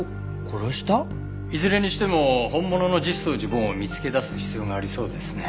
いずれにしても本物の実相寺梵を見つけ出す必要がありそうですね。